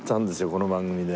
この番組で。